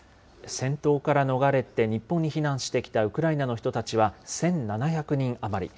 戦闘から逃れて日本に避難してきたウクライナの人たちは１７００人余り。